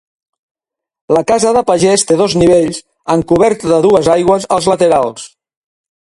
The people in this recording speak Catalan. La casa de pagès té dos nivells amb coberta de dues aigües als laterals.